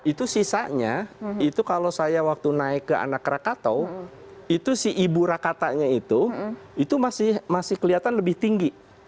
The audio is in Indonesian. itu sisanya itu kalau saya waktu naik ke anak krakatau itu si ibu rakatanya itu itu masih kelihatan lebih tinggi